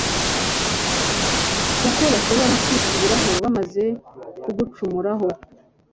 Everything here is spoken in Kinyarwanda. kuko bashobora kwisubiraho, bamaze kugucumuraho